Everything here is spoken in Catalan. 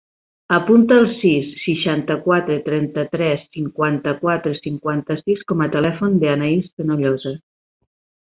Apunta el sis, seixanta-quatre, trenta-tres, cinquanta-quatre, cinquanta-sis com a telèfon de l'Anaïs Fenollosa.